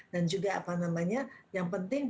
dan juga apa namanya yang penting